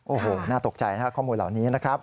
โอ้โหน่าตกใจนะครับข้อมูลเหล่านี้นะครับ